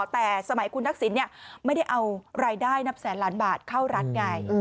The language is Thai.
แต่สมัยคุณทักษิณไม่ได้เอารายได้นับแสนล้านบาทเข้ารัฐไง